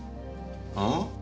ああ？